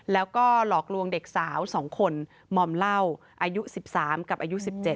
แล้วก็หลอกลวงเด็กสาว๒คนมอมเหล้าอายุ๑๓กับอายุ๑๗